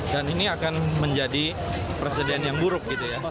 dan ini akan menjadi presiden yang buruk